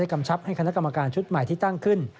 กำชับให้คณะกรรมการชุดใหม่ที่ตั้งขึ้น